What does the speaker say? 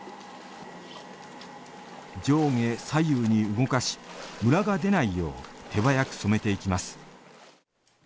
上下左右に動かしむらがでないよう手早く染めていきます。